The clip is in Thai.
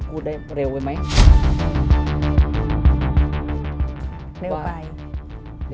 พูดได้เร็วเปล่าไหม